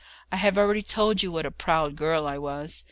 I have already told you what a proud girl I was.